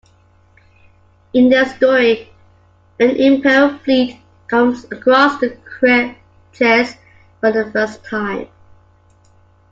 In the story, an Imperial fleet comes across the Chiss for the first time.